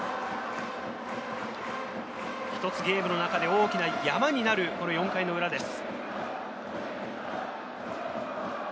一つゲームの中で大きなヤマになる４回の裏です。